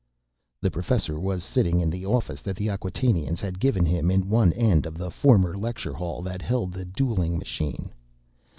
_ The professor was sitting in the office that the Acquatainians had given him in one end of the former lecture hall that held the dueling machine.